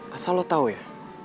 asal lu tau ya